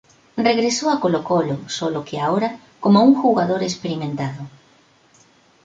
Regresó a Colo-Colo, sólo que ahora como un jugador experimentado.